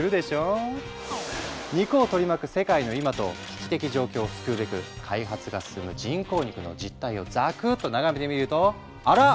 肉を取り巻く世界の今と危機的状況を救うべく開発が進む人工肉の実態をザクッと眺めてみるとあら！